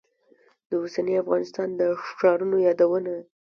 د اوسني افغانستان د ښارونو یادونه.